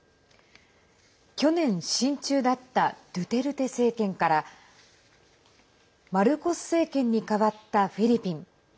去年、親中だったドゥテルテ政権からマルコス政権にかわったフィリピン。